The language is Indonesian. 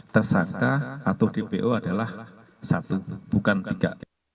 tersangka atau dpo adalah satu bukan tiga